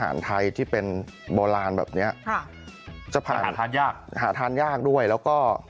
ข้างบัวแห่งสันยินดีต้อนรับทุกท่านนะครับ